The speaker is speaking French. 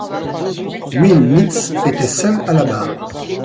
Will Mitz était seul à la barre.